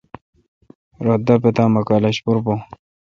رل دا پتا مہ کالج پر بھون